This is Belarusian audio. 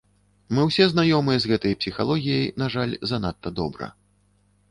Мы ўсе знаёмыя з гэтай псіхалогіяй, на жаль, занадта добра.